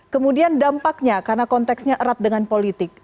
kemudian dampaknya karena konteksnya erat dengan politik